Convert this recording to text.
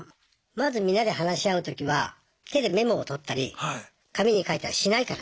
まず皆で話し合う時は手でメモをとったり紙に書いたりしないからね。